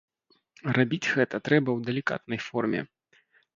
Рабіць гэта трэба ў далікатнай форме.